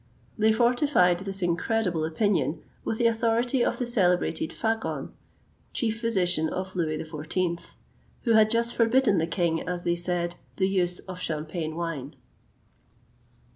They fortified this incredible opinion with the authority of the celebrated Fagon, chief physician of Louis XIV., who had just forbidden the king, as they said, the use of Champagne wine.